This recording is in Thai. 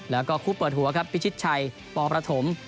แล้วก็คู่เปิดหัวครับพิชิตชัยปประถม